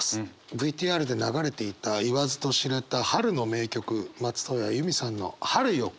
ＶＴＲで流れていた言わずと知れた春の名曲松任谷由実さんの「春よ、来い」。